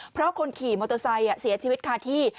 เพราะคนขี่มอเตอร์ไซค์เสียชีวิตคาที่